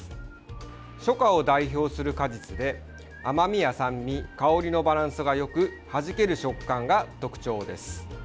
初夏を代表する果実で甘みや酸味香りのバランスがよくはじける食感が特徴です。